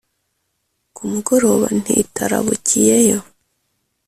Ku mugoroba ntitarabukiyeyo,